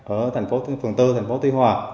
ở phần bốn thành phố tuy hòa